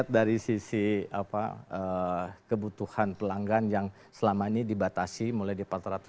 dari sisi kebutuhan pelanggan yang selama ini dibatasi mulai di empat ratus lima puluh sembilan ratus seribu tiga ratus dua ribu dua ratus tiga ribu tiga ratus